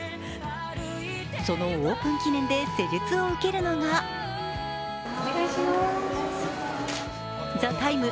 そのオープン記念で施術を受けるのが「ＴＨＥＴＩＭＥ，」